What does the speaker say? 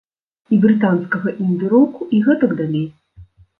І брытанскага інды-року, і гэтак далей.